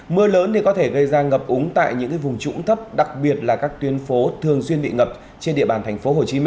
mưa lớn có thể gây ra ngập úng tại những vùng trũng thấp đặc biệt là các tuyến phố thường xuyên bị ngập trên địa bàn tp hcm